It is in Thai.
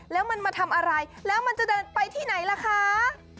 แล้วมันมาทำอะไรแล้วมันจะเดินไปที่ไหนล่ะคะ